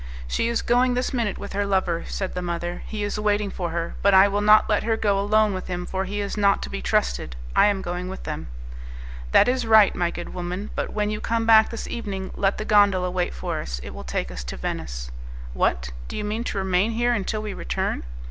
"She is going this minute with her lover," said the mother. "He is waiting for her; but I will not let her go alone with him, for he is not to be trusted; I am going with them." "That is right, my good woman; but when you come back this evening, let the gondola wait for us; it will take us to Venice." "What! Do you mean to remain here until we return?"